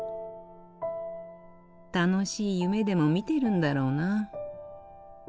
楽しい夢でも見てるんだろうな。